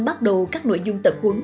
bắt đầu các nội dung tập huấn